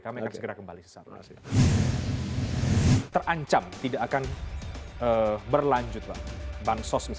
kami akan segera kembali sesama